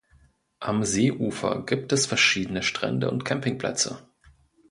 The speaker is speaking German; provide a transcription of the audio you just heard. Am Seeufer gibt es verschiedene Strände und Campingplätze.